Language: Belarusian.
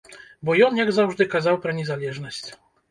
Бо ён, як заўжды, казаў пра незалежнасць.